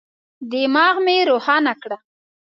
دماغ مي روښانه کړه.